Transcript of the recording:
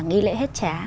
nghi lễ hết trá